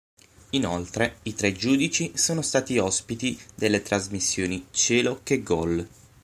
Inoltre, i tre giudici sono stati ospiti delle trasmissioni "Cielo che gol!